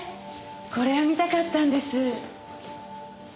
これを見たかったんです。